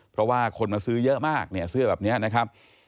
เพราะว่าคนมาซื้อเยอะมากเนี่ยเสื้อแบบนี้นะครับ